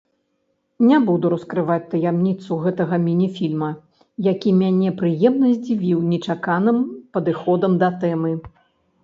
Не буду раскрываць таямніцу гэтага міні-фільма, які мяне прыемна здзівіў нечаканым падыходам да тэмы.